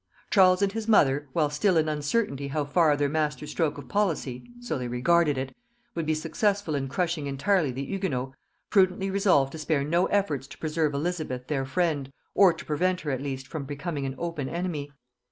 Charles and his mother, while still in uncertainty how far their master stroke of policy, so they regarded it, would be successful in crushing entirely the Hugonots, prudently resolved to spare no efforts to preserve Elizabeth their friend, or to prevent her at least from becoming an open enemy.